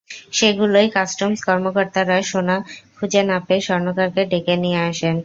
সেগুলোয় customs কর্মকর্তারা সোনা খুঁজে না পেয়ে স্বর্ণকারকে ডেকে নিয়ে আসেন।